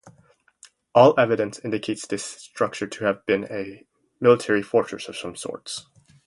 All evidence indicates this structure to have been a military fortress of some sorts.